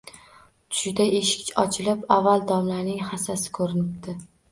Tushida eshik ochilib, avval domlaning hassasi ko‘rinibdi.